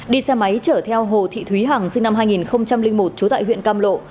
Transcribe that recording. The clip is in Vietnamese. đi xe máy chở theo hồ thị thúy hằng sinh năm hai nghìn một trú tại huyện cam lộ